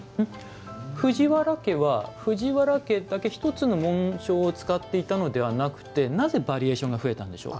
藤原家は藤原家だけ一つの紋章を使っていたのではなくなぜバリエーションが増えたんでしょう？